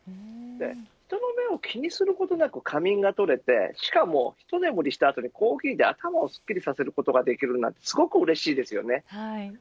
人の目を気にすることなく仮眠が取れてしかも一眠りした後にコーヒーで頭をすっきりさせることができるのはすごくうれしいですよね。